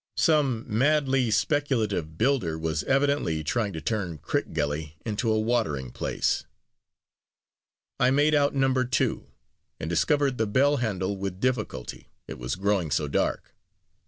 Some madly speculative builder was evidently trying to turn Crickgelly into a watering place. I made out Number Two, and discovered the bell handle with difficulty, it was growing so dark.